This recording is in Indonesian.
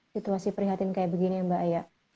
situasi perhatian kayak begini ya mbak ya